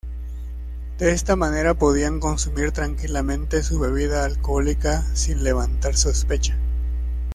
De esta manera podían consumir tranquilamente su bebida alcohólica sin levantar sospecha.